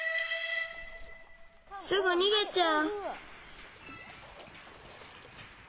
すぐにげちゃう。